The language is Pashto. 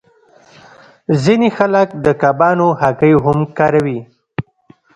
ځینې خلک د کبانو هګۍ هم کاروي